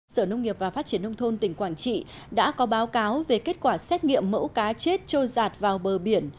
sở nông nghiệp và phát triển nông thôn tỉnh quảng trị đã có báo cáo về kết quả xét nghiệm mẫu cá chết trôi giạt vào bờ biển